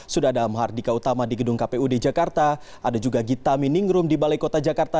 sudah ada mahardika utama di gedung kpud jakarta ada juga gita miningrum di balai kota jakarta